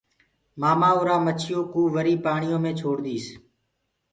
مآمآ اُرآ مڇيو ڪوُ وري پآڻيو مي ڇوڙ ديس۔